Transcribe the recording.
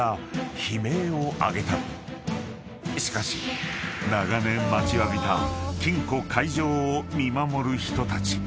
［しかし長年待ちわびた金庫解錠を見守る人たち］